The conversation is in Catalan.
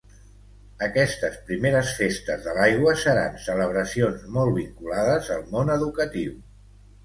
Aquestes primeres festes de l'aigua seran celebracions molt vinculades al món educatiu.